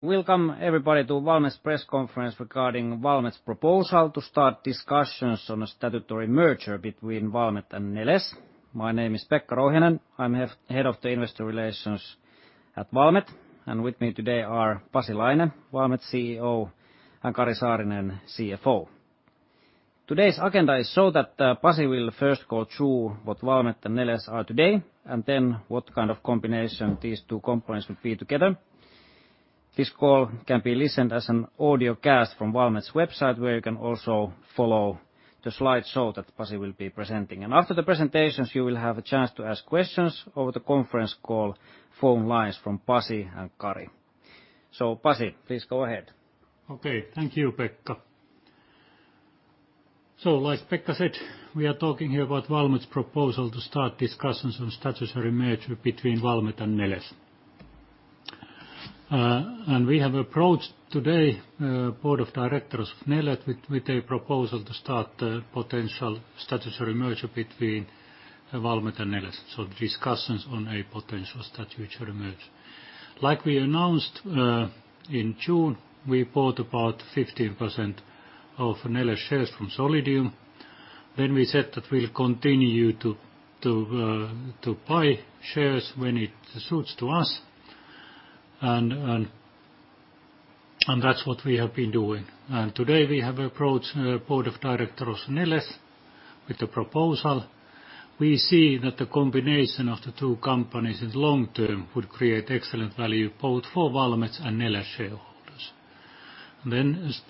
Welcome everybody to Valmet's press conference regarding Valmet's proposal to start discussions on a statutory merger between Valmet and Neles. My name is Pekka Rouhiainen, I'm head of the investor relations at Valmet, and with me today are Pasi Laine, Valmet CEO, and Kari Saarinen, CFO. Today's agenda is so that Pasi will first go through what Valmet and Neles are today, and then what kind of combination these two companies would be together. This call can be listened to as an audiocast from Valmet's website where you can also follow the slideshow that Pasi will be presenting. After the presentations, you will have a chance to ask questions over the conference call phone lines from Pasi and Kari. Pasi, please go ahead. Okay, thank you, Pekka. Like Pekka said, we are talking here about Valmet's proposal to start discussions on a statutory merger between Valmet and Neles. We have approached today the board of directors of Neles with a proposal to start a potential statutory merger between Valmet and Neles, so discussions on a potential statutory merger. Like we announced in June, we bought about 15% of Neles shares from Solidium. We said that we'll continue to buy shares when it suits us, and that's what we have been doing. Today we have approached the board of directors of Neles with a proposal. We see that the combination of the two companies in the long term would create excellent value both for Valmet's and Neles shareholders.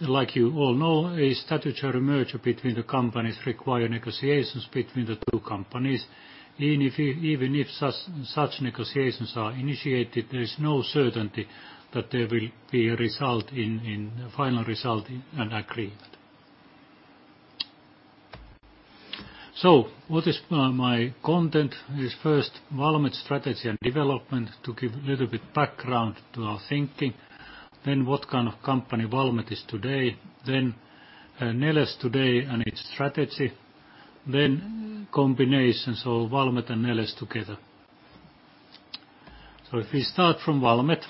Like you all know, a statutory merger between the companies requires negotiations between the two companies. Even if such negotiations are initiated, there is no certainty that there will be a final result in an agreement. What is my content? First, Valmet's strategy and development to give a little bit of background to our thinking. What kind of company Valmet is today. Neles today and its strategy. Combinations of Valmet and Neles together. If we start from Valmet,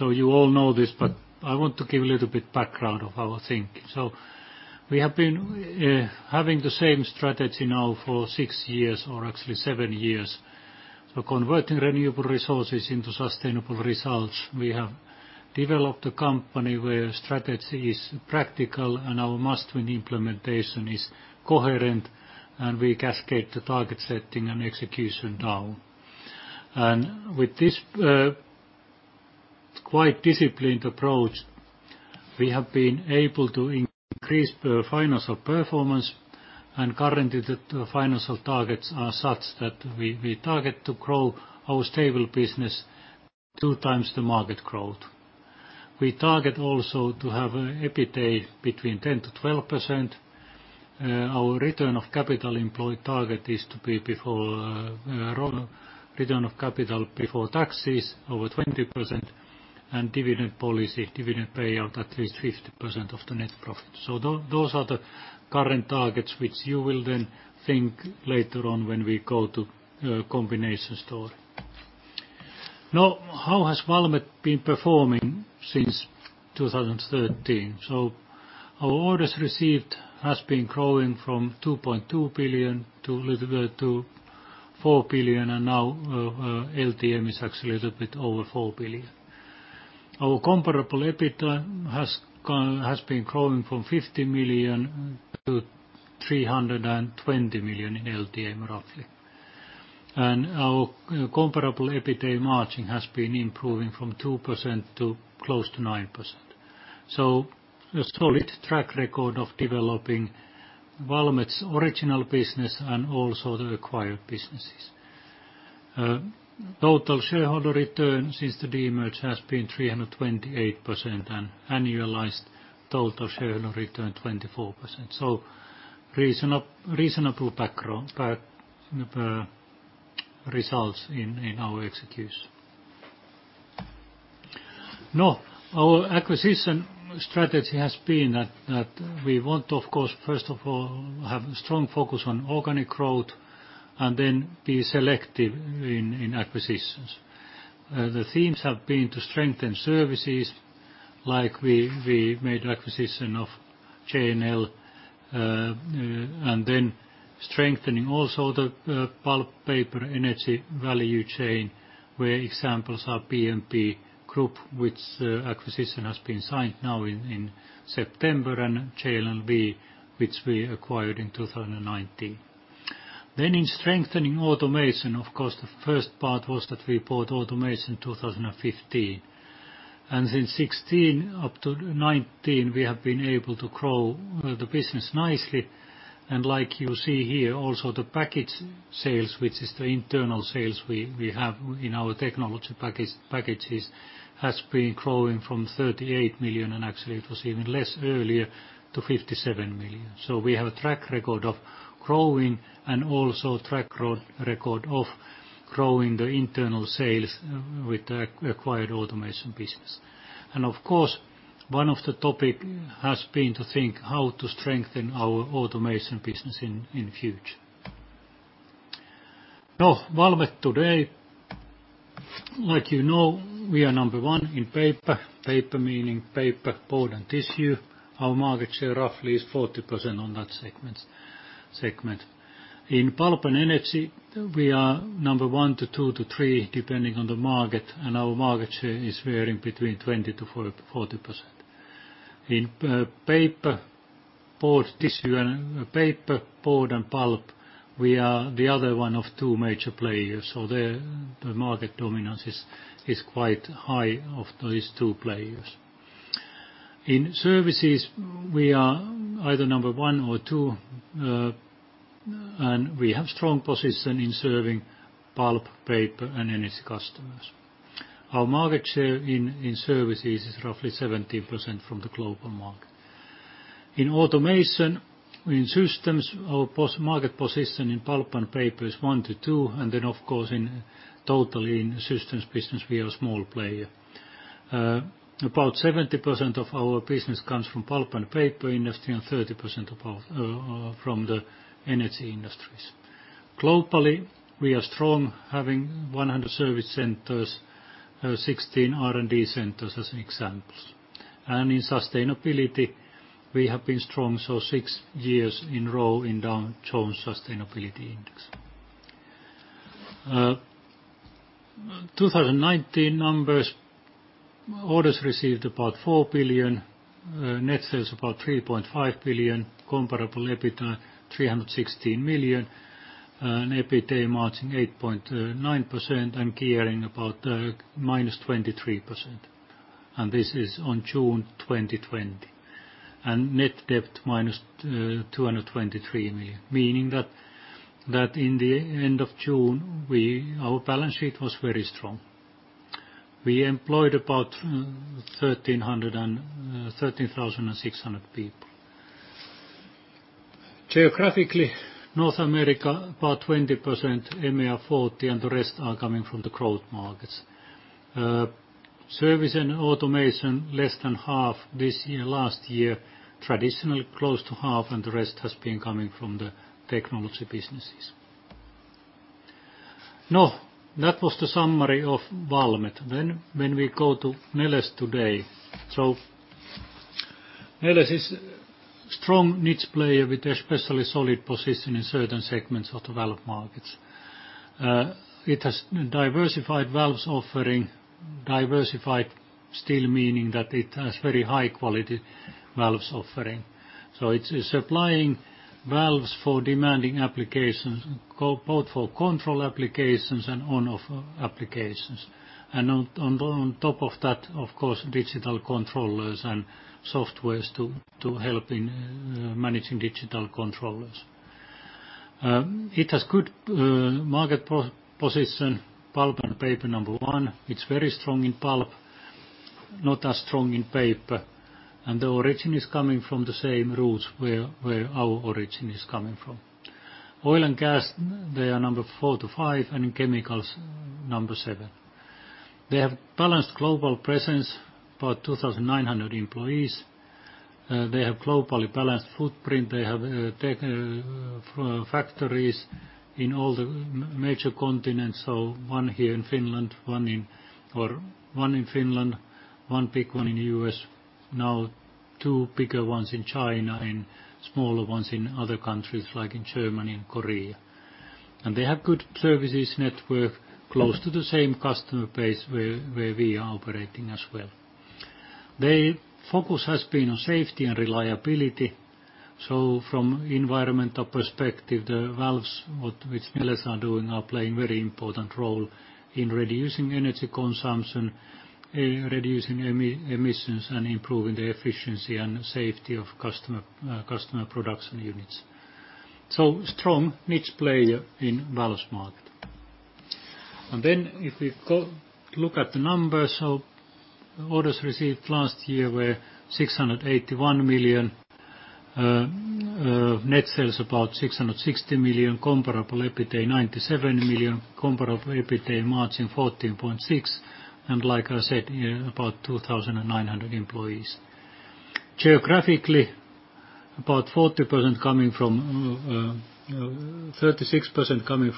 you all know this, but I want to give a little bit of background of our thinking. We have been having the same strategy now for six years, or actually seven years. Converting renewable resources into sustainable results. We have developed a company where strategy is practical and our must-win implementation is coherent, and we cascade the target setting and execution down. With this quite disciplined approach, we have been able to increase financial performance, and currently the financial targets are such that we target to grow our stable business 2x the market growth. We target also to have an EBITDA between 10%-12%. Our return on capital employed target is to be return of capital before taxes over 20%, and dividend policy, dividend payout at least 50% of the net profit. Those are the current targets which you will then think later on when we go to the combination story. How has Valmet been performing since 2013? Our orders received have been growing from 2.2 billion to 4 billion, and now LTM is actually a little bit over 4 billion. Our comparable EBITDA has been growing from 50 million to 320 million in LTM, roughly. Our comparable EBITDA margin has been improving from 2% to close to 9%. A solid track record of developing Valmet's original business and also the acquired businesses. Total shareholder return since the demerge has been 328%, and annualized total shareholder return 24%. Reasonable results in our execution. Our acquisition strategy has been that we want, of course, first of all, to have a strong focus on organic growth, and then be selective in acquisitions. The themes have been to strengthen services, like we made acquisition of J&L, and then strengthening also the pulp paper energy value chain, where examples are PMP Group, which acquisition has been signed now in September, and GL&V, which we acquired in 2019. In strengthening automation, of course, the first part was that we bought automation in 2015. Since 2016 up to 2019, we have been able to grow the business nicely. Like you see here, also the package sales, which is the internal sales we have in our technology packages, have been growing from 38 million, and actually it was even less earlier, to 57 million. We have a track record of growing and also a track record of growing the internal sales with the acquired automation business. Of course, one of the topics has been to think how to strengthen our automation business in the future. Valmet today, like you know, we are number one in paper meaning paper, board, and tissue. Our market share roughly is 40% on that segment. In pulp and energy, we are number one to two to three, depending on the market, and our market share is varying between 20%-40%. In paper, board, tissue, and paper, board, and pulp, we are the other one of two major players. The market dominance is quite high of these two players. In services, we are either number one or two, and we have a strong position in serving pulp, paper, and energy customers. Our market share in services is roughly 17% from the global market. In automation, in systems, our market position in pulp and paper is one to two, and then, of course, totally in systems business, we are a small player. About 70% of our business comes from the pulp and paper industry and 30% from the energy industries. Globally, we are strong, having 100 service centers, 16 R&D centers as examples. In sustainability, we have been strong for six years in a row in the Dow Jones Sustainability Index. 2019 numbers: orders received about 4 billion, net sales about 3.5 billion, comparable EBITDA 316 million, an EBITDA margin of 8.9%, and gearing about -23%. This is on June 2020. Net debt -223 million, meaning that in the end of June, our balance sheet was very strong. We employed about 13,600 people. Geographically, North America about 20%, EMEA 40%, and the rest are coming from the growth markets. Service and automation, less than half this year, last year, traditionally close to half, and the rest has been coming from the technology businesses. That was the summary of Valmet. When we go to Neles today, Neles is a strong niche player with a especially solid position in certain segments of the valve markets. It has diversified valves offering, diversified still meaning that it has very high-quality valves offering. It's supplying valves for demanding applications, both for control applications and on-off applications. On top of that, of course, digital controllers and software to help in managing digital controllers. It has a good market position, pulp and paper number one. It's very strong in pulp, not as strong in paper. The origin is coming from the same roots where our origin is coming from. Oil and gas, they are number four to five, and chemicals number seven. They have a balanced global presence, about 2,900 employees. They have a globally balanced footprint. They have factories in all the major continents, one here in Finland, one in Finland, one big one in the U.S., now two bigger ones in China, and smaller ones in other countries like in Germany and Korea. They have a good services network, close to the same customer base where we are operating as well. Their focus has been on safety and reliability. From an environmental perspective, the valves, which Neles are doing, are playing a very important role in reducing energy consumption, reducing emissions, and improving the efficiency and safety of customer production units. A strong niche player in the valves market. If we look at the numbers, orders received last year were 681 million, net sales about 660 million, comparable EBITDA 97 million, comparable EBITDA margin 14.6%, and like I said, about 2,900 employees. Geographically, about 36% coming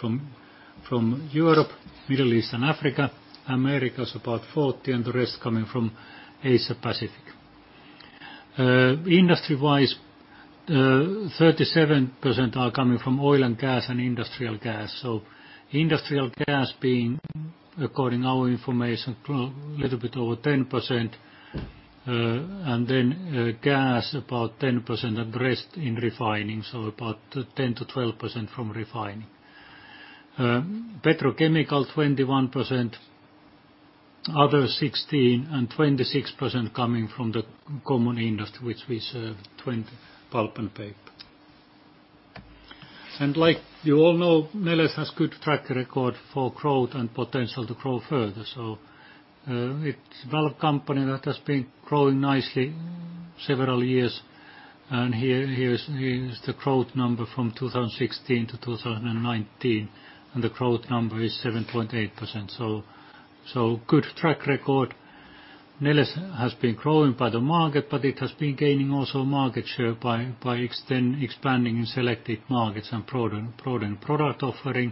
from Europe, Middle East, and Africa. America is about 40%, the rest coming from Asia-Pacific. Industry-wise, 37% are coming from oil and gas and industrial gas. Industrial gas being, according to our information, a little bit over 10%, and then gas about 10%, and the rest in refining, about 10%-12% from refining. Petrochemical 21%, other 16%, and 26% coming from the common industry, which we serve, pulp and paper. Like you all know, Neles has a good track record for growth and potential to grow further. It's a valve company that has been growing nicely for several years. Here is the growth number from 2016-2019, and the growth number is 7.8%. A good track record. Neles has been growing by the market, but it has been gaining also market share by expanding in selected markets and broadening product offering.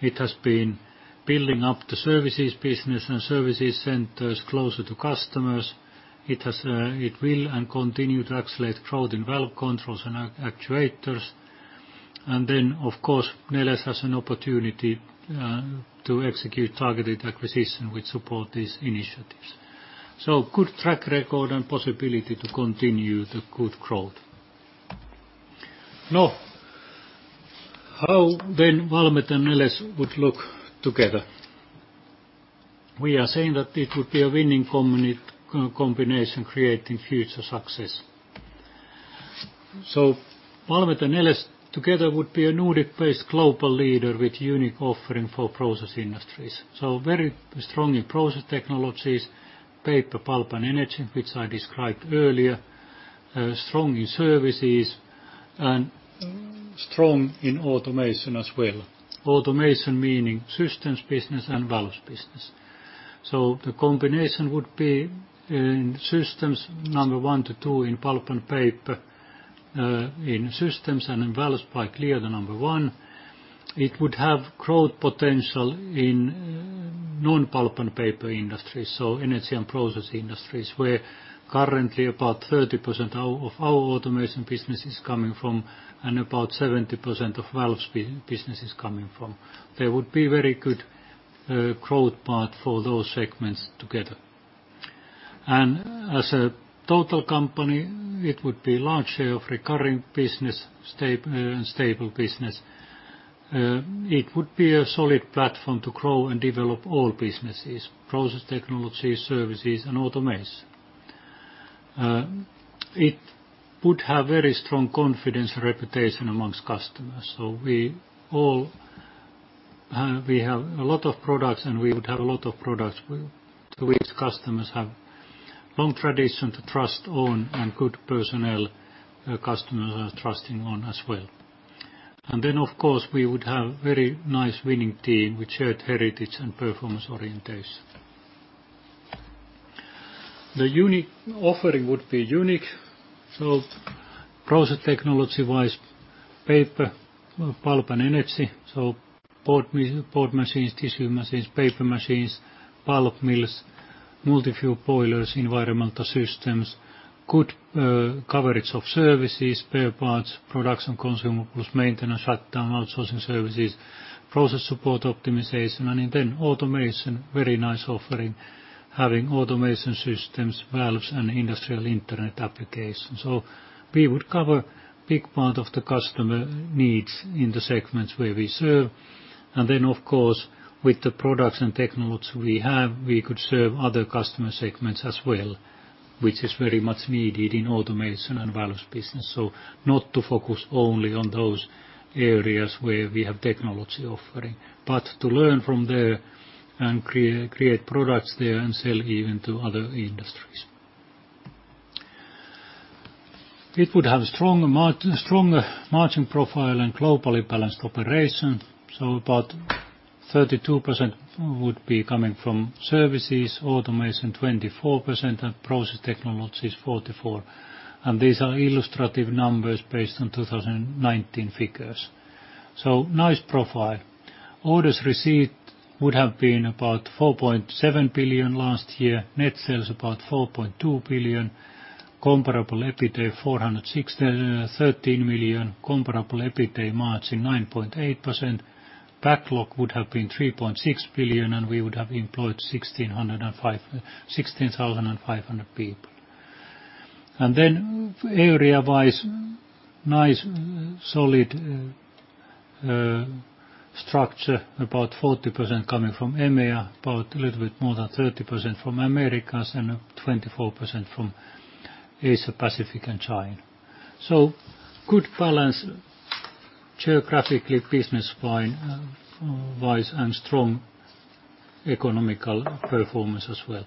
It has been building up the services business and services centers closer to customers. It will and continues to accelerate growth in valve controls and actuators. Of course, Neles has an opportunity to execute targeted acquisition which supports these initiatives. A good track record and possibility to continue the good growth. How then Valmet and Neles would look together? We are saying that it would be a winning combination creating future success. Valmet and Neles together would be a Nordic-based global leader with a unique offering for process industries. Very strong in process technologies, paper, pulp, and energy, which I described earlier, strong in services, and strong in automation as well. Automation meaning systems business and valves business. The combination would be in systems number one to two in pulp and paper, in systems and in valves by clear the number one. It would have growth potential in non-pulp and paper industries, energy and process industries, where currently about 30% of our automation business is coming from and about 70% of valves business is coming from. There would be a very good growth path for those segments together. As a total company, it would be a large share of recurring business and stable business. It would be a solid platform to grow and develop all businesses: process technologies, services, and automation. It would have a very strong confidence and reputation amongst customers. We all have a lot of products, and we would have a lot of products to which customers have a long tradition to trust on, and good personnel customers are trusting on as well. Of course, we would have a very nice winning team with shared heritage and performance orientation. The unique offering would be unique. Process technology-wise, paper, pulp, and energy, so board machines, tissue machines, paper machines, pulp mills, multi-fuel boilers, environmental systems, good coverage of services, spare parts, production consumables, maintenance, shutdown, outsourcing services, process support optimization, and then automation, a very nice offering, having automation systems, valves, and industrial internet applications. We would cover a big part of the customer needs in the segments where we serve. Then, of course, with the products and technology we have, we could serve other customer segments as well, which is very much needed in automation and valves business. Not to focus only on those areas where we have technology offering, but to learn from there and create products there and sell even to other industries. It would have a strong margin profile and globally balanced operation. About 32% would be coming from services, automation 24%, and process technologies 44%. These are illustrative numbers based on 2019 figures. A nice profile. Orders received would have been about 4.7 billion last year, net sales about 4.2 billion, comparable EBITDA 413 million, comparable EBITDA margin 9.8%. Backlog would have been 3.6 billion, and we would have employed 16,500 people. Area-wise, a nice solid structure, about 40% coming from EMEA, about a little bit more than 30% from Americas, and 24% from Asia-Pacific and China. A good balance geographically, business-wise, and strong economic performance as well.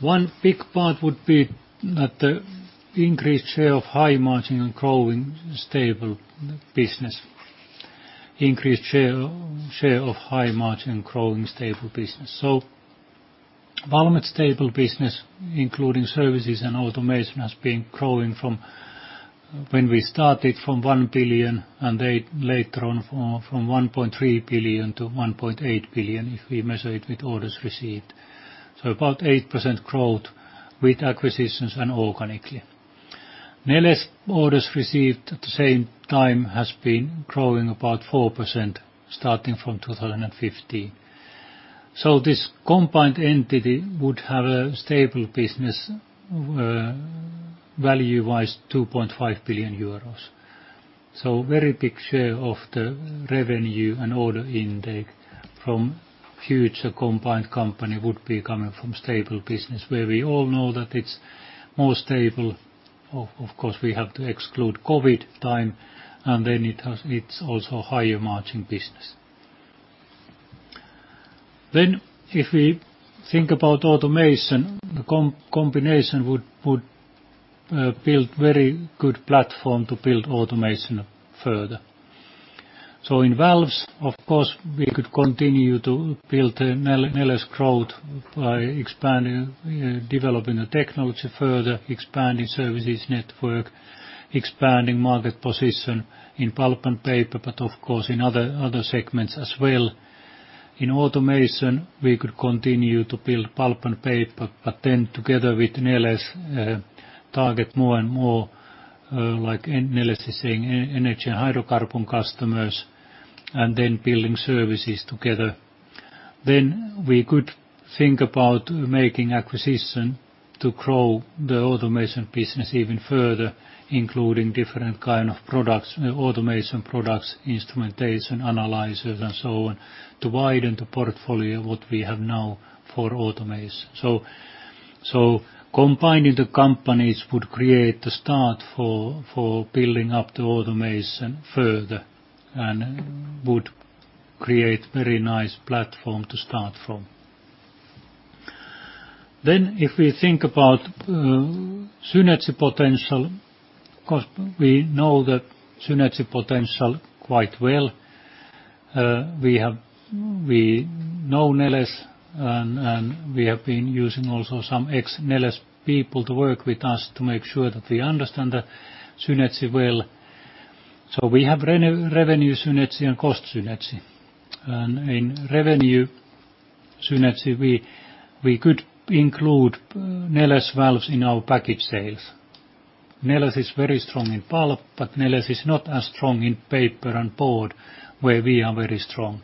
One big part would be the increased share of high margin and growing stable business. Increased share of high margin and growing stable business. Valmet's stable business, including services and automation, has been growing from when we started from 1 billion, and later on from 1.3 billion to 1.8 billion if we measure it with orders received. About 8% growth with acquisitions and organically. Neles' orders received at the same time have been growing about 4% starting from 2015. This combined entity would have a stable business value-wise of 2.5 billion euros. A very big share of the revenue and order intake from a future combined company would be coming from stable business, where we all know that it's more stable. Of course, we have to exclude COVID time, and then it's also a higher margin business. If we think about automation, the combination would build a very good platform to build automation further. In valves, of course, we could continue to build Neles' growth by developing the technology further, expanding services network, expanding market position in pulp and paper, but of course in other segments as well. In automation, we could continue to build pulp and paper, but then together with Neles, target more and more, like Neles is saying, energy and hydrocarbon customers, and then building services together. We could think about making acquisition to grow the automation business even further, including different kinds of products, automation products, instrumentation, analyzers, and so on, to widen the portfolio of what we have now for automation. Combining the companies would create the start for building up the automation further and would create a very nice platform to start from. If we think about synergy potential, because we know the synergy potential quite well, we know Neles, and we have been using also some ex-Neles people to work with us to make sure that we understand the synergy well. We have revenue synergy and cost synergy. In revenue synergy, we could include Neles' valves in our package sales. Neles is very strong in pulp, but Neles is not as strong in paper and board, where we are very strong.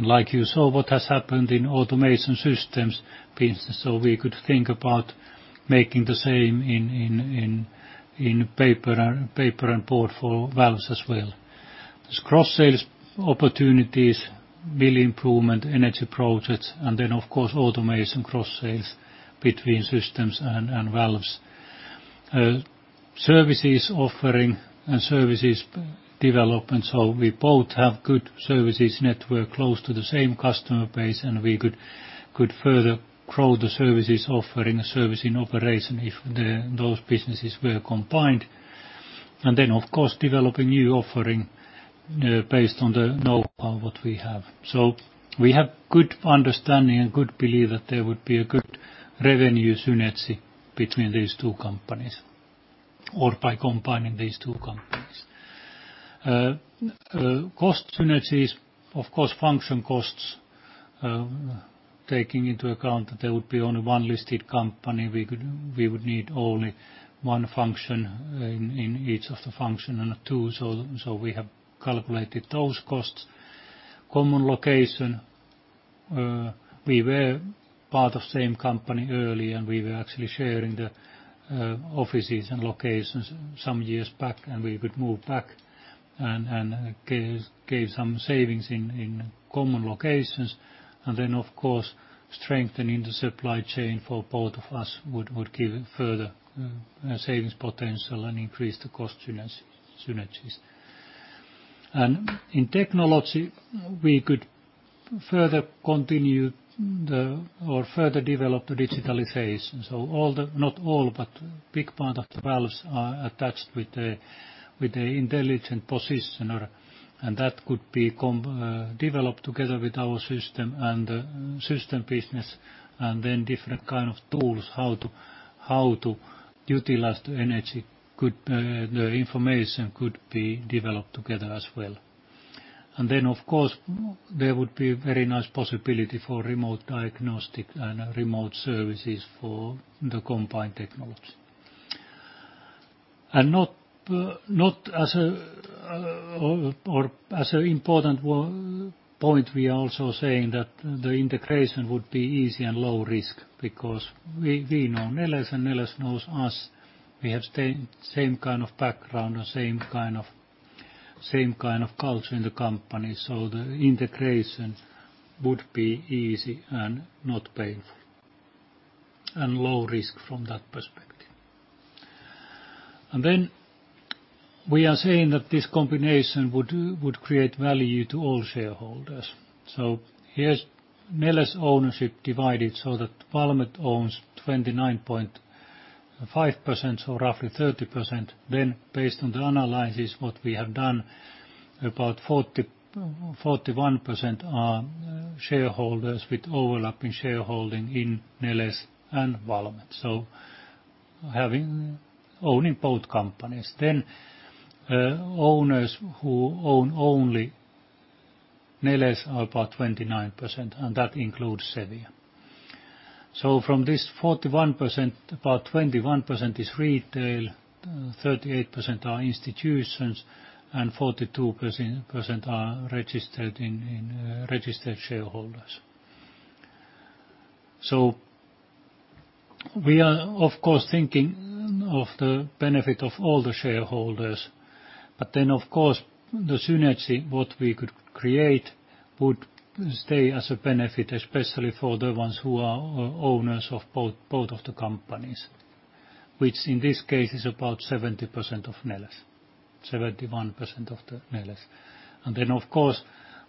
Like you saw, what has happened in automation systems, so we could think about making the same in paper and board for valves as well. There's cross-sales opportunities, mill improvement, energy projects, and then, of course, automation cross-sales between systems and valves. Services offering and services development. We both have a good services network close to the same customer base, and we could further grow the services offering and servicing operation if those businesses were combined. Of course, developing new offering based on the know-how what we have. We have a good understanding and good belief that there would be a good revenue synergy between these two companies or by combining these two companies. Cost synergies, of course, function costs, taking into account that there would be only one listed company, we would need only one function in each of the functions and two. We have calculated those costs. Common location. We were part of the same company early, and we were actually sharing the offices and locations some years back, and we could move back and gave some savings in common locations. Then, of course, strengthening the supply chain for both of us would give further savings potential and increase the cost synergies. In technology, we could further continue or further develop the digitalization. Not all, but a big part of the valves are attached with an intelligent positioner, and that could be developed together with our system and the system business, then different kinds of tools how to utilize the energy. The information could be developed together as well. Then, of course, there would be a very nice possibility for remote diagnostics and remote services for the combined technology. Not as an important point, we are also saying that the integration would be easy and low risk because we know Neles and Neles knows us. We have the same kind of background and same kind of culture in the company, the integration would be easy and not painful and low risk from that perspective. We are saying that this combination would create value to all shareholders. Here's Neles' ownership divided so that Valmet owns 29.5% or roughly 30%. Based on the analysis what we have done, about 41% are shareholders with overlapping shareholding in Neles and Valmet, so owning both companies. Owners who own only Neles are about 29%, and that includes Solidium. From this 41%, about 21% is retail, 38% are institutions, and 42% are registered shareholders. We are, of course, thinking of the benefit of all the shareholders, but then, of course, the synergy what we could create would stay as a benefit, especially for the ones who are owners of both of the companies, which in this case is about 70% of Neles, 71% of the Neles. Of course,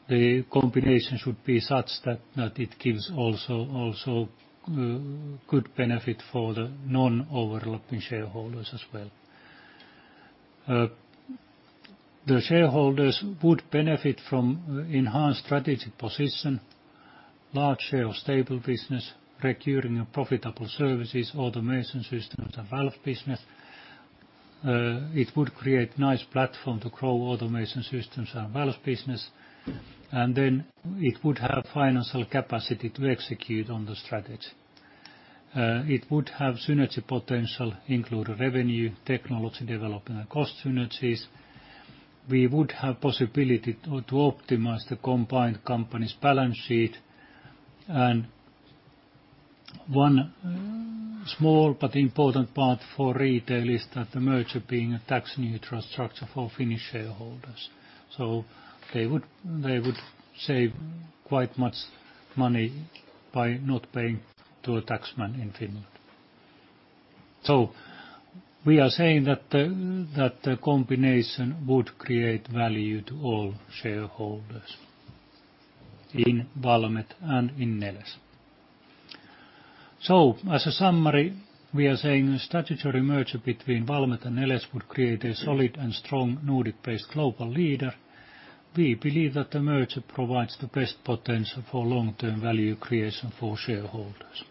the combination should be such that it gives also a good benefit for the non-overlapping shareholders as well. The shareholders would benefit from enhanced strategic position, large share of stable business, recurring and profitable services, automation systems, and valve business. It would create a nice platform to grow automation systems and valve business, and then it would have financial capacity to execute on the strategy. It would have synergy potential, include revenue, technology development, and cost synergies. We would have the possibility to optimize the combined company's balance sheet. One small but important part for retail is that the merger being a tax-neutral structure for Finnish shareholders. They would save quite much money by not paying to a taxman in Finland. We are saying that the combination would create value to all shareholders in Valmet and in Neles. As a summary, we are saying a statutory merger between Valmet and Neles would create a solid and strong Nordic-based global leader. We believe that the merger provides the best potential for long-term value creation for shareholders.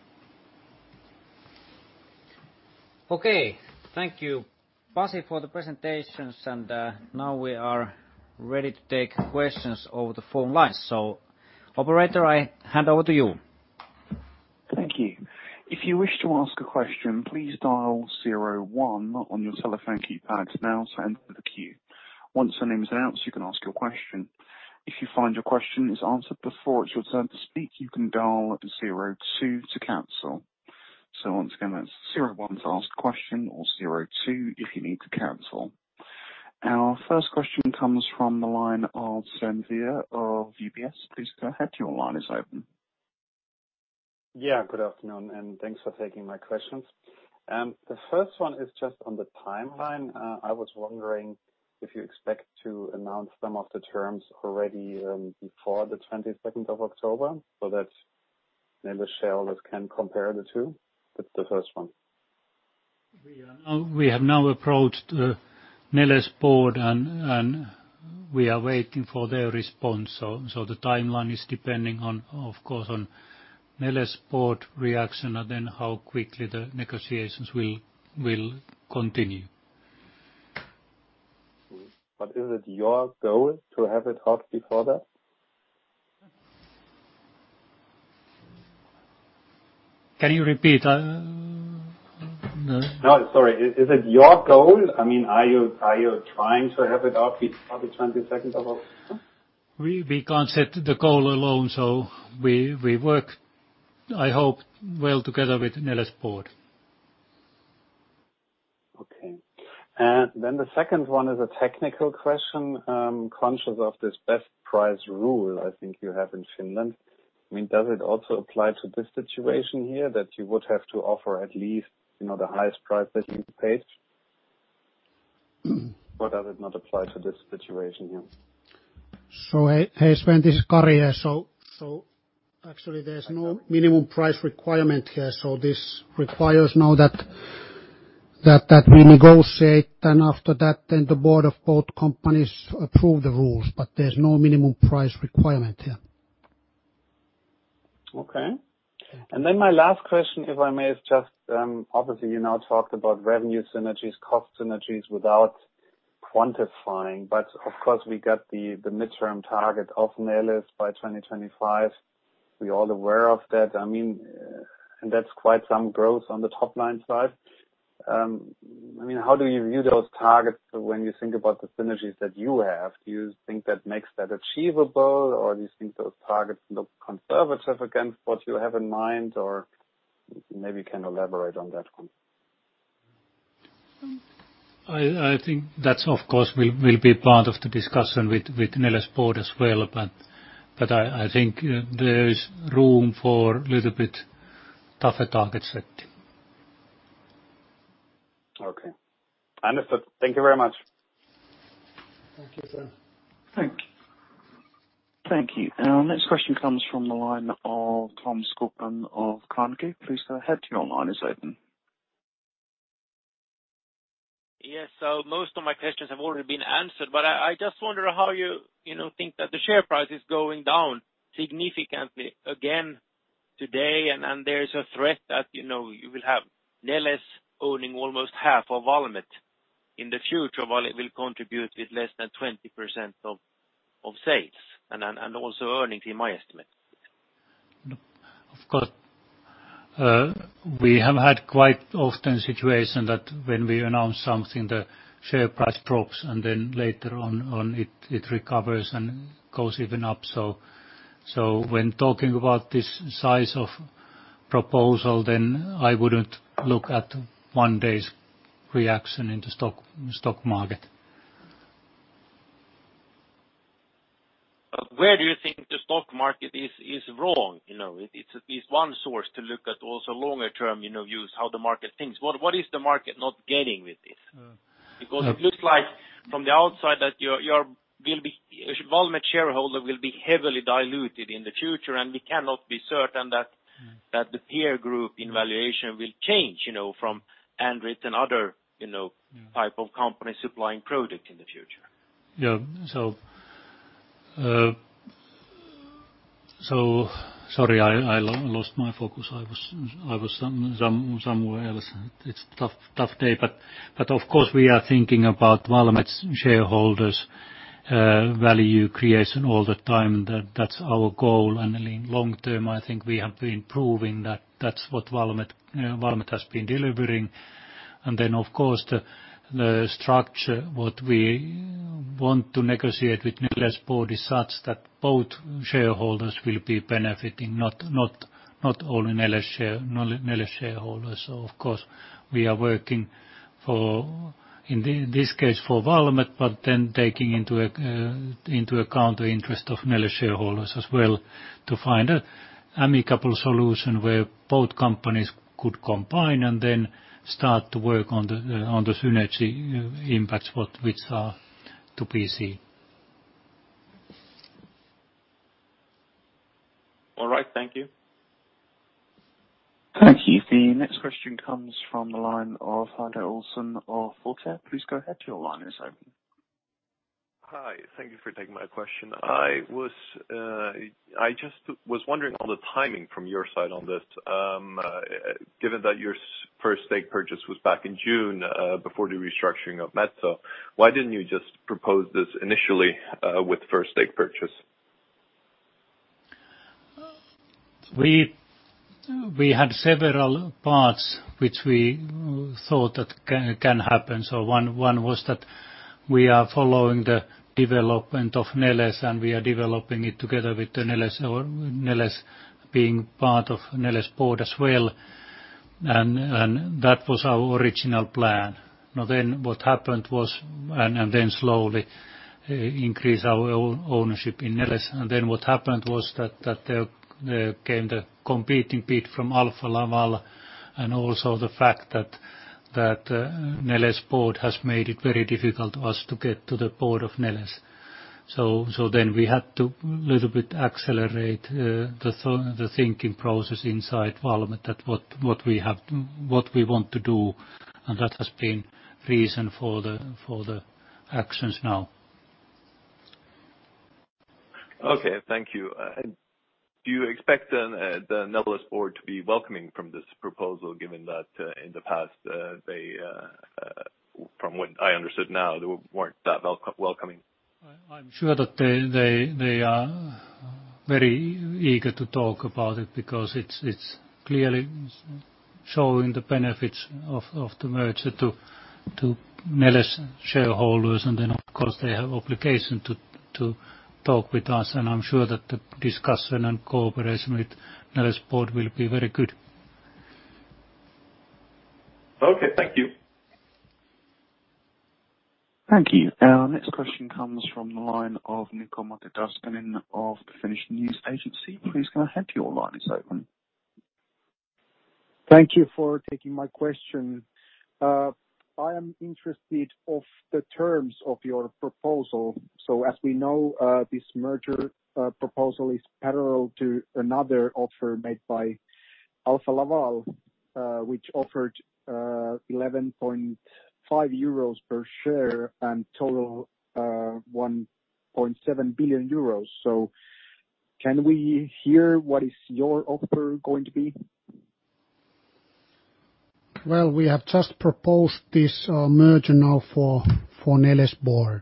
Okay. Thank you, Pasi, for the presentations. Now we are ready to take questions over the phone line. Operator, I hand over to you. Thank you. If you wish to ask a question, please dial zero one on your telephone keypads now to enter the queue. Once your name is announced, you can ask your question. If you find your question is answered before it's your turn to speak, you can dial zero two to cancel. Once again, that's zero one to ask a question or zero two if you need to cancel. Our first question comes from the line of Sven Weier of UBS. Please go ahead. Your line is open. Yeah. Good afternoon, and thanks for taking my questions. The first one is just on the timeline. I was wondering if you expect to announce some of the terms already before the 22nd of October so that Neles shareholders can compare the two. That's the first one. We have now approached Neles' board, and we are waiting for their response. The timeline is depending, of course, on Neles' board reaction and then how quickly the negotiations will continue. Is it your goal to have it out before that? Can you repeat? No, sorry. Is it your goal? I mean, are you trying to have it out before the 22nd of October? We can't set the goal alone. We work, I hope, well together with Neles' board. Okay. The second one is a technical question. Conscious of this best price rule, I think you have in Finland, I mean, does it also apply to this situation here that you would have to offer at least the highest price that you paid? Does it not apply to this situation here? Hi Sven, this is Kari here. Actually, there's no minimum price requirement here. This requires now that we negotiate, and after that, then the board of both companies approve the rules. There's no minimum price requirement here. Okay. My last question, if I may, is just obviously, you now talked about revenue synergies, cost synergies without quantifying. Of course, we got the midterm target of Neles by 2025. We're all aware of that. I mean, and that's quite some growth on the top-line side. I mean, how do you view those targets when you think about the synergies that you have? Do you think that makes that achievable, or do you think those targets look conservative against what you have in mind? Maybe you can elaborate on that one. I think that, of course, will be part of the discussion with Neles' board as well, but I think there is room for a little bit tougher target setting. Okay. Understood. Thank you very much. Thank you, Sven. Thank you. Next question comes from the line of Tom Skogman of Carnegie. Please go ahead. Your line is open. Yes. Most of my questions have already been answered, but I just wonder how you think that the share price is going down significantly again today, and there is a threat that you will have Neles owning almost half of Valmet in the future while it will contribute with less than 20% of sales and also earnings, in my estimate. Of course. We have had quite often a situation that when we announce something, the share price drops, and later on, it recovers and goes even up. When talking about this size of proposal, then I wouldn't look at one day's reaction in the stock market. Where do you think the stock market is wrong? It's at least one source to look at also longer-term views, how the market thinks. What is the market not getting with this? It looks like from the outside that Valmet shareholder will be heavily diluted in the future, and we cannot be certain that the peer group valuation will change from Andritz and other types of companies supplying products in the future. Yeah. Sorry, I lost my focus. I was somewhere else. It's a tough day, of course, we are thinking about Valmet's shareholders' value creation all the time. That's our goal. In long term, I think we have been proving that that's what Valmet has been delivering. Of course, the structure, what we want to negotiate with Neles' board is such that both shareholders will be benefiting, not only Neles' shareholders. Of course, we are working, in this case, for Valmet, but then taking into account the interest of Neles' shareholders as well to find an amicable solution where both companies could combine and then start to work on the synergy impacts, which are to be seen. All right. Thank you. Thank you. The next question comes from the line of [Andre Olson of Voltere]. Please go ahead. Your line is open. Hi. Thank you for taking my question. I just was wondering on the timing from your side on this. Given that your first stake purchase was back in June before the restructuring of Metso, why didn't you just propose this initially with first stake purchase? We had several parts which we thought that can happen. One was that we are following the development of Neles, and we are developing it together with Neles, being part of Neles' board as well. That was our original plan. What happened was and then slowly increased our ownership in Neles. What happened was that there came the competing bid from Alfa Laval and also the fact that Neles' board has made it very difficult for us to get to the board of Neles. We had to a little bit accelerate the thinking process inside Valmet at what we want to do, and that has been the reason for the actions now. Okay. Thank you. Do you expect the Neles' board to be welcoming from this proposal, given that in the past, from what I understood now, they weren't that welcoming? I'm sure that they are very eager to talk about it because it's clearly showing the benefits of the merger to Neles' shareholders. Of course, they have obligation to talk with us, and I'm sure that the discussion and cooperation with Neles' board will be very good. Okay. Thank you. Thank you. Next question comes from the line of [Niko Matidarskinen] of the Finnish News Agency. Please go ahead. Your line is open. Thank you for taking my question. I am interested in the terms of your proposal. As we know, this merger proposal is parallel to another offer made by Alfa Laval, which offered 11.5 euros per share and total 1.7 billion euros. Can we hear what your offer is going to be? We have just proposed this merger now for Neles' board.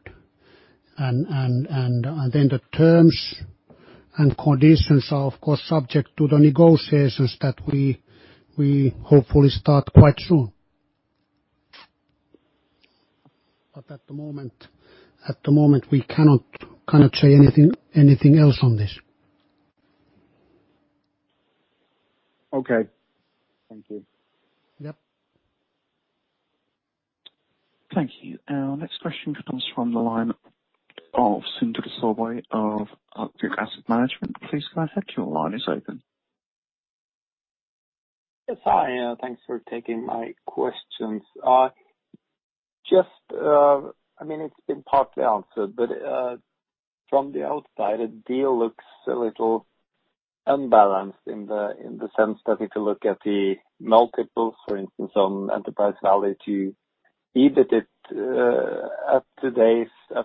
The terms and conditions are, of course, subject to the negotiations that we hopefully start quite soon. At the moment, we cannot say anything else on this. Okay. Thank you. Yep. Thank you. Next question comes from the line of Sindre Sørbye of Arctic Asset Management. Please go ahead. Your line is open. Yes. Hi. Thanks for taking my questions. I mean, it's been partly answered, but from the outside, the deal looks a little unbalanced in the sense that if you look at the multiples, for instance, on enterprise value to EBIT at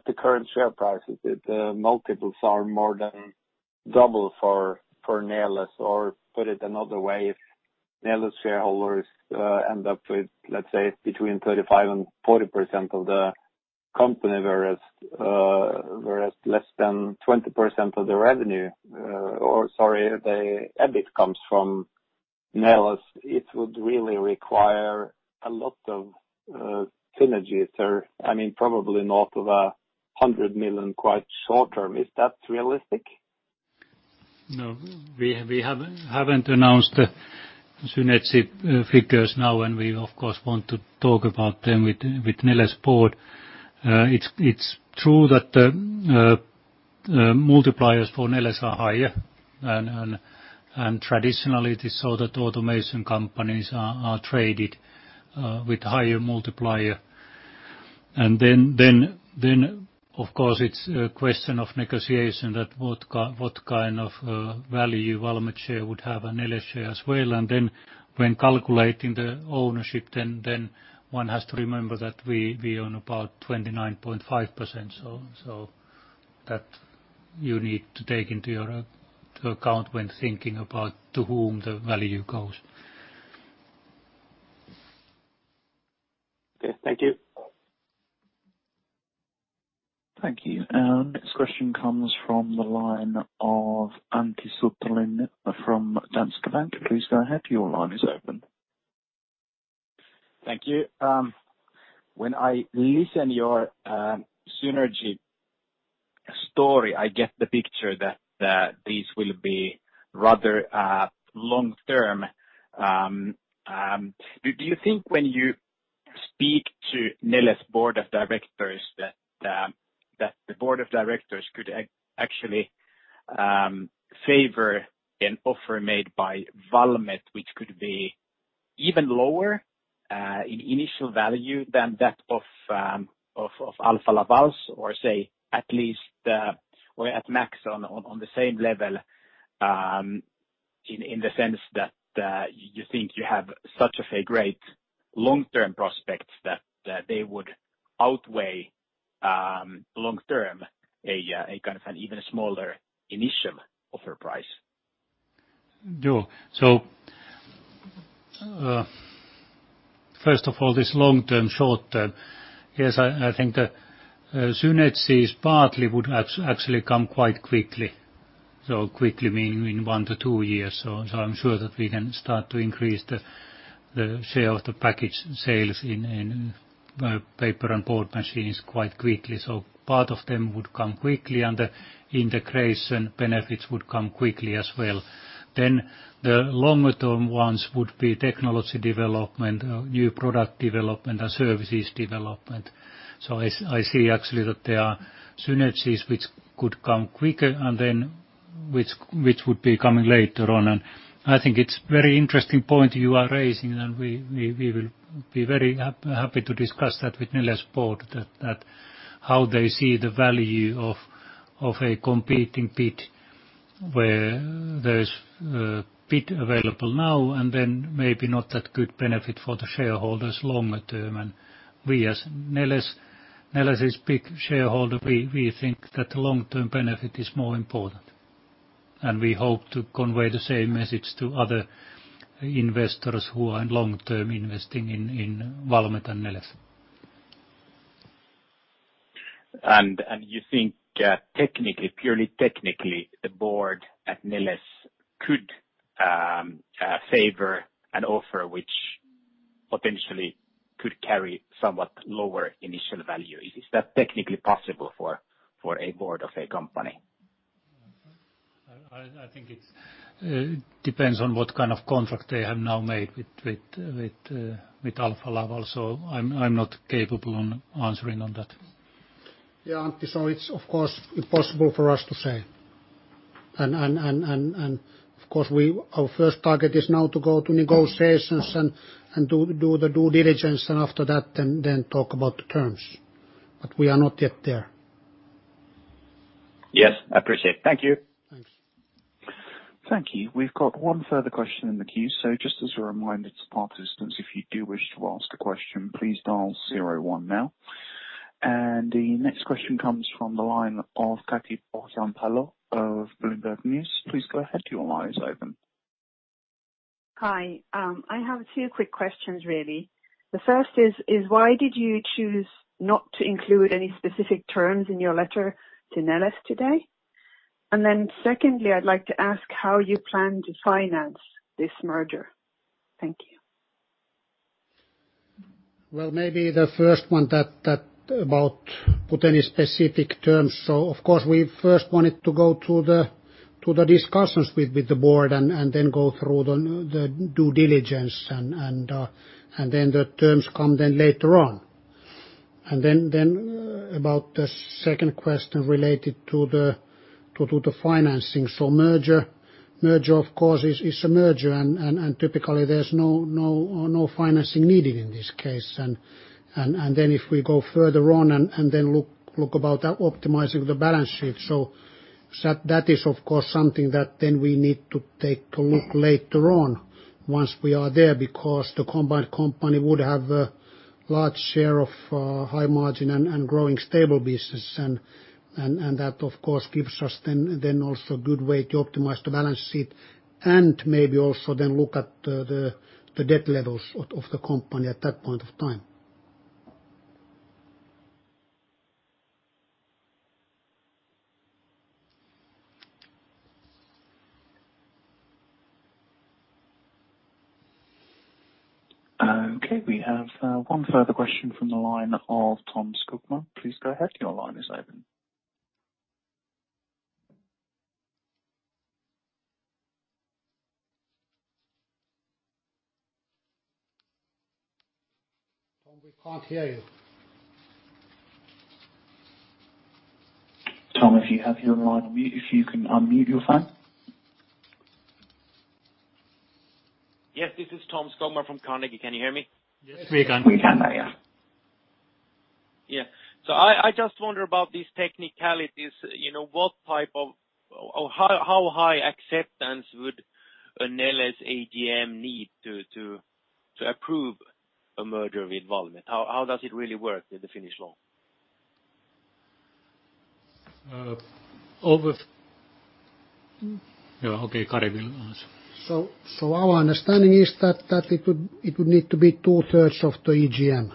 the current share prices, the multiples are more than double for Neles. Put it another way, if Neles' shareholders end up with, let's say, between 35% and 40% of the company whereas less than 20% of the revenue or sorry, the EBIT comes from Neles, it would really require a lot of synergies or, I mean, probably not over 100 million quite short term. Is that realistic? No. We haven't announced the synergy figures now, and we, of course, want to talk about them with Neles' board. It's true that the multipliers for Neles are higher, and traditionally, it is so that automation companies are traded with higher multipliers. Of course, it's a question of negotiation that what kind of value Valmet share would have and Neles share as well. When calculating the ownership, then one has to remember that we own about 29.5%. That you need to take into your account when thinking about to whom the value goes. Okay. Thank you. Thank you. Next question comes from the line of Antti Suttelin from Danske Bank. Please go ahead. Your line is open. Thank you. When I listen to your synergy story, I get the picture that this will be rather long term. Do you think when you speak to Neles' board of directors that the board of directors could actually favor an offer made by Valmet, which could be even lower in initial value than that of Alfa Laval or say at least or at max on the same level in the sense that you think you have such a great long-term prospects that they would outweigh long-term a kind of an even smaller initial offer price? Sure. First of all, this long term, short term, yes, I think the synergies partly would actually come quite quickly. Quickly meaning in one to two years. I'm sure that we can start to increase the share of the package sales in paper and board machines quite quickly. Part of them would come quickly, and the integration benefits would come quickly as well. The longer-term ones would be technology development, new product development, and services development. I see actually that there are synergies which could come quicker and then which would be coming later on. I think it's a very interesting point you are raising, and we will be very happy to discuss that with Neles' board, how they see the value of a competing bid where there's bid available now and then maybe not that good benefit for the shareholders longer term. We, as Neles' big shareholder, think that the long-term benefit is more important. We hope to convey the same message to other investors who are long-term investing in Valmet and Neles. You think technically, purely technically, the board at Neles could favor an offer which potentially could carry somewhat lower initial value. Is that technically possible for a board of a company? I think it depends on what kind of contract they have now made with Alfa Laval. I'm not capable of answering on that. Yeah. Antti, it's, of course, impossible for us to say. Of course, our first target is now to go to negotiations and do the due diligence, and after that, then talk about the terms. We are not yet there. Yes. I appreciate it. Thank you. Thanks. Thank you. We've got one further question in the queue. Just as a reminder to participants, if you do wish to ask a question, please dial zero one now. The next question comes from the line of Kati Pohjanpalo of Bloomberg News. Please go ahead. Your line is open. Hi. I have two quick questions, really. The first is, why did you choose not to include any specific terms in your letter to Neles today? Secondly, I'd like to ask how you plan to finance this merger. Thank you. Maybe the first one that about putting any specific terms. Of course, we first wanted to go through the discussions with the board and then go through the due diligence, and then the terms come then later on. About the second question related to the financing. Merger, of course, is a merger, and typically, there's no financing needed in this case. If we go further on and then look about optimizing the balance sheet, that is, of course, something that then we need to take a look later on once we are there because the combined company would have a large share of high margin and growing stable business. That, of course, gives us then also a good way to optimize the balance sheet and maybe also then look at the debt levels of the company at that point of time. Okay. We have one further question from the line of Tom Skogman. Please go ahead. Your line is open. Tom, we can't hear you. Tom, if you have your line on mute, if you can unmute your phone. Yes. This is Tom Skogman from Carnegie. Can you hear me? Yes. We can. We can now. Yeah. Yeah. I just wonder about these technicalities. What type of how high acceptance would a Neles AGM need to approve a merger with Valmet? How does it really work with the Finnish law? Over. Yeah. Okay. Kari will answer. Our understanding is that it would need to be two-thirds of the AGM,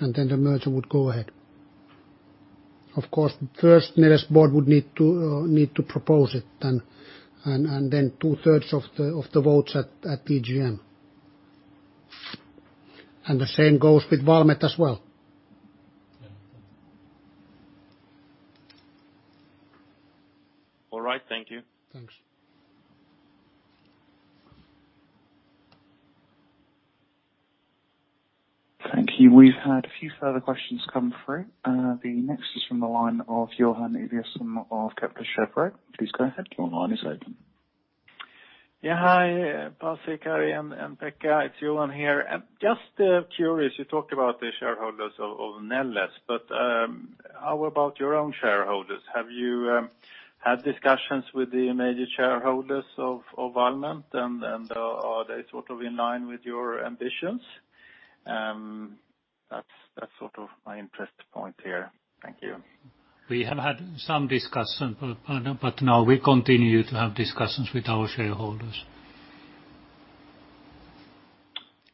and then the merger would go ahead. Of course, first, Neles' board would need to propose it and then two-thirds of the votes at AGM. The same goes with Valmet as well. All right. Thank you. Thanks. Thank you. We've had a few further questions come through. The next is from the line of Johan Eliason of Kepler Cheuvreux. Please go ahead. Your line is open. Yeah. Hi. Pasi, Kari, and Pekka. It's Johan here. Just curious. You talked about the shareholders of Neles, but how about your own shareholders? Have you had discussions with the major shareholders of Valmet, and are they sort of in line with your ambitions? That's sort of my interest point here. Thank you. We have had some discussion, no, we continue to have discussions with our shareholders.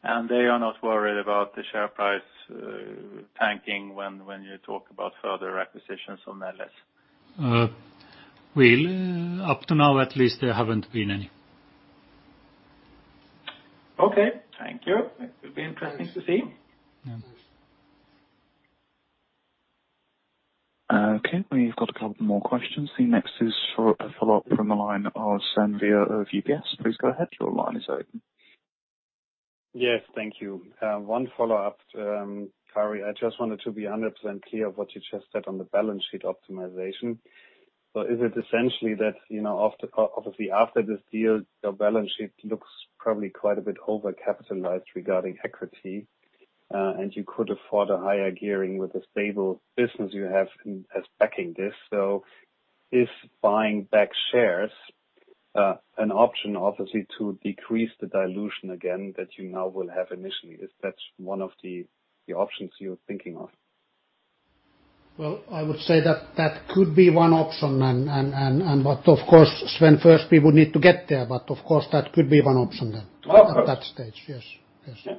They are not worried about the share price tanking when you talk about further acquisitions of Neles? Up to now, at least, there haven't been any. Okay. Thank you. It will be interesting to see. Okay. We've got a couple more questions. The next is a follow-up from the line of Sven Weier of UBS. Please go ahead. Your line is open. Yes. Thank you. One follow-up, Kari. I just wanted to be 100% clear of what you just said on the balance sheet optimization. Is it essentially that, obviously, after this deal, your balance sheet looks probably quite a bit overcapitalized regarding equity, and you could afford a higher gearing with the stable business you have as backing this? Is buying back shares an option, obviously, to decrease the dilution again that you now will have initially? Is that one of the options you're thinking of? Well, I would say that that could be one option. Of course, Sven, first, we would need to get there. Of course, that could be one option then at that stage. Yes. Yes.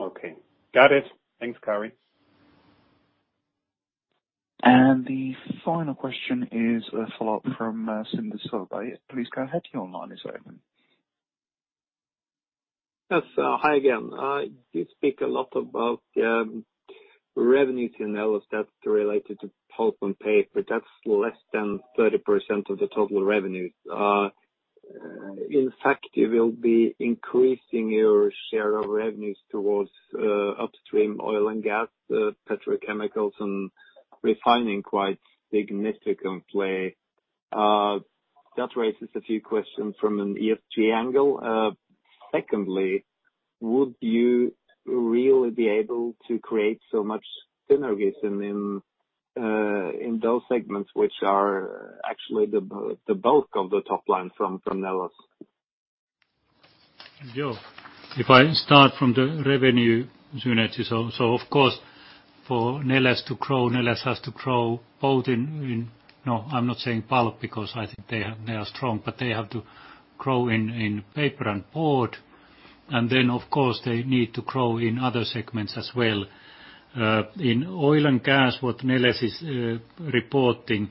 Okay. Got it. Thanks, Kari. The final question is a follow-up from Sindre Sørbye. Please go ahead. Your line is open. Yes. Hi again. You speak a lot about revenues in Neles. That's related to pulp and paper. That's less than 30% of the total revenues. In fact, you will be increasing your share of revenues towards upstream oil and gas, petrochemicals, and refining quite significantly. That raises a few questions from an ESG angle. Secondly, would you really be able to create so much synergies in those segments which are actually the bulk of the top line from Neles? Sure. If I start from the revenue synergies. Of course, for Neles to grow, Neles has to grow both in no, I'm not saying pulp because I think they are strong, but they have to grow in paper and board. Then, of course, they need to grow in other segments as well. In oil and gas, what Neles is reporting,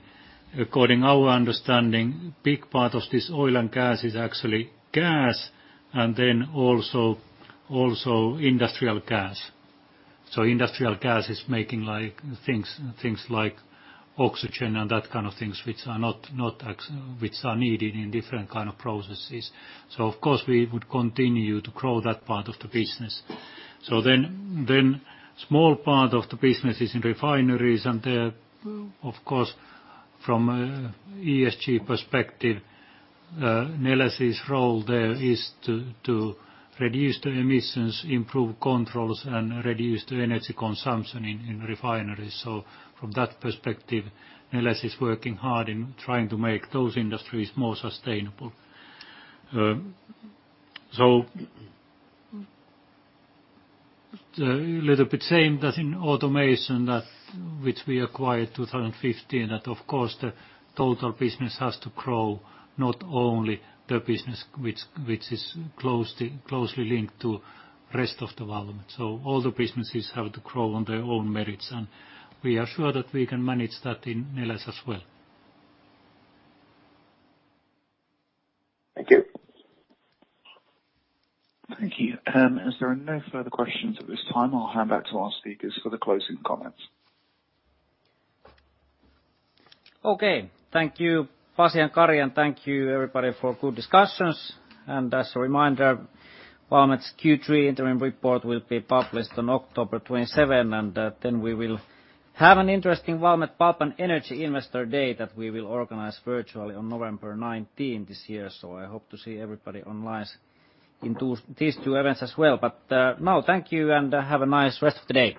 according to our understanding, a big part of this oil and gas is actually gas and then also industrial gas. Industrial gas is making things like oxygen and that kind of things which are needed in different kind of processes. Of course, we would continue to grow that part of the business. A small part of the business is in refineries. There, of course, from an ESG perspective, Neles's role there is to reduce the emissions, improve controls, and reduce the energy consumption in refineries. From that perspective, Neles is working hard in trying to make those industries more sustainable. A little bit same as in automation which we acquired in 2015 that, of course, the total business has to grow, not only the business which is closely linked to the rest of the Valmet. All the businesses have to grow on their own merits. We are sure that we can manage that in Neles as well. Thank you. Thank you. As there are no further questions at this time, I'll hand back to our speakers for the closing comments. Okay. Thank you, Pasi and Kari. Thank you, everybody, for good discussions. As a reminder, Valmet's Q3 interim report will be published on October 27, and then we will have an interesting Valmet Pulp and Energy Investor Day that we will organize virtually on November 19 this year. I hope to see everybody online in these two events as well. Now, thank you, and have a nice rest of the day.